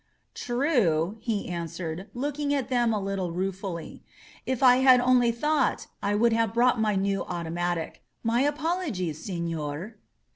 ^True," he answered, looking at them a little rue fully. "If I had only thought I would have brought my new automatic. My apologies, senor."